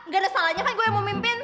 gak ada salahnya gue yang mau mimpin